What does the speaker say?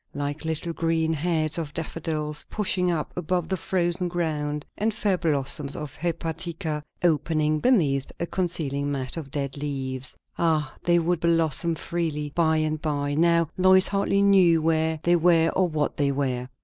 Like little green heads of daffodils pushing up above the frozen ground, and fair blossoms of hepatica opening beneath a concealing mat of dead leaves. Ah, they would blossom freely by and by; now Lois hardly knew where they were or what they were.